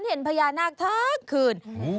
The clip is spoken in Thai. เห็นพญานาคทั้งคืน